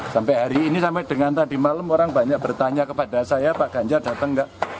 sampai hari ini sampai dengan tadi malam orang banyak bertanya kepada saya pak ganjar datang nggak